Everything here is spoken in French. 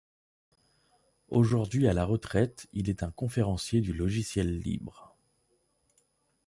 Aujourd'hui à la retraite, il est un conférencier du logiciel libre.